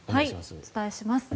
お伝えします。